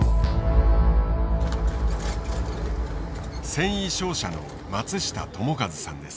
繊維商社の松下友和さんです。